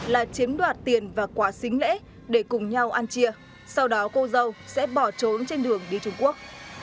là chiếm đoạt tiền và quả xính lễ để cùng nhau ăn chia sau đó cô dâu sẽ bỏ trốn trên đường đi trung quốc